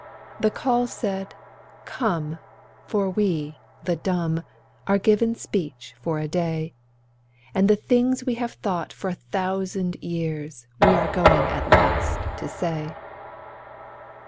The call said, 'Come: for we, the dumb, are given speech for a day, And the things we have thought for a thousand years we are going at last to say.